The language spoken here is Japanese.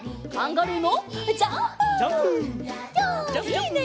いいね。